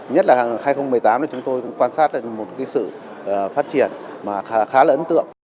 nhất là hai nghìn một mươi tám thì chúng tôi cũng quan sát một sự phát triển khá là ấn tượng